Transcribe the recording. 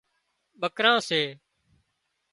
ٻڪران سي